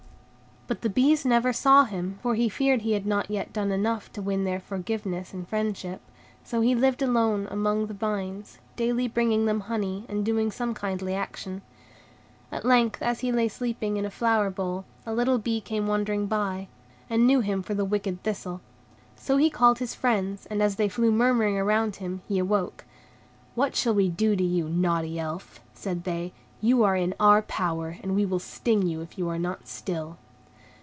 But the bees never saw him, for he feared he had not yet done enough to win their forgiveness and friendship; so he lived alone among the vines, daily bringing them honey, and doing some kindly action. At length, as he lay sleeping in a flower bell, a little bee came wandering by, and knew him for the wicked Thistle; so he called his friends, and, as they flew murmuring around him, he awoke. "What shall we do to you, naughty Elf?" said they. "You are in our power, and we will sting you if you are not still."